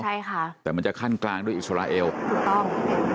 ใช่ค่ะแต่มันจะขั้นกลางด้วยอิสราเอลถูกต้อง